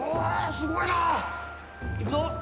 すごいな。いくぞ。